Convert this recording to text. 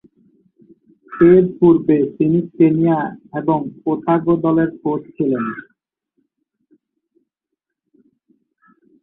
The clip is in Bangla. এরপূর্বে তিনি কেনিয়া এবং ওতাগো দলের কোচ ছিলেন।